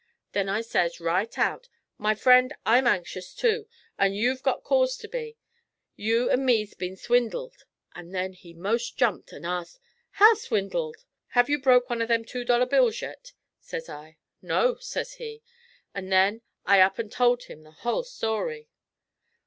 Then I says right out, "My friend, I'm anxious too, and you've got cause to be: you an' me's been swindled;" and then he most jumped, and asked, "How swindled?" "Hev you broke one of them two dollar bills yit?" says I. "No," says he; an' then I up an' told him the hull story.'